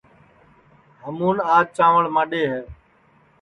ہمُون آج چانٚوݪ ماڈؔے ہے